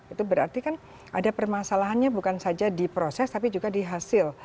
itu berarti kan ada permasalahannya bukan saja di proses tapi juga di hasil